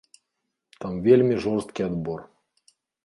Там вельмі жорсткі адбор.